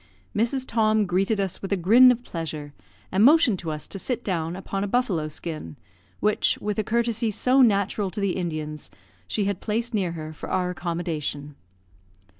Mrs. Tom greeted us with a grin of pleasure, and motioned to us to sit down upon a buffalo skin, which, with a courtesy so natural to the Indians, she had placed near her for our accommodation.